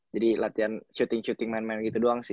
jadi latihan shooting shooting main main gitu doang sih